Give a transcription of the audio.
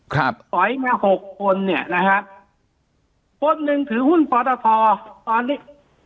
ครับปล่อยมา๖คนเนี่ยนะครับคนหนึ่งถือหุ้นพอตทอตอนนี้